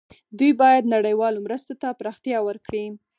دوی باید نړیوالو مرستو ته پراختیا ورکړي.